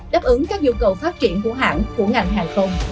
đáp ứng các nhu cầu phát triển của hãng của ngành hàng không